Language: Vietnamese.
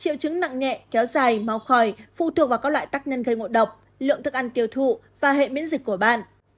triệu chứng nặng nhẹ kéo dài máu khỏi phụ thuộc vào các loại tác nhân gây ngộ độc lượng thức ăn tiêu thụ và hệ miễn dịch của bạn